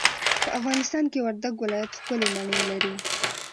په افغانستان کي وردګ ولايت ښکلې مڼې لري.